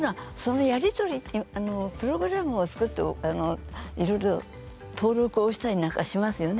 プログラムを作っていろいろと登録をしたりしますよね。